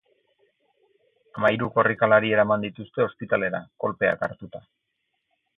Hamahiru korrikalari eraman dituzte ospitalera, kolpeak hartuta.